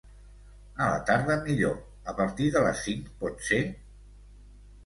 A la tarda millor, a partir de les cinc pot ser?